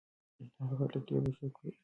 هغه هلک ډېر په شوق لولي.